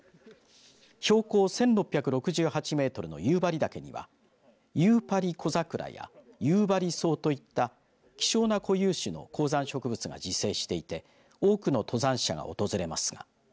標高１６６８メートルの夕張岳にはユウパリコザクラやユウバリソウといった希少な固有種の鉱山植物が自生していて多くの登山者が訪れました。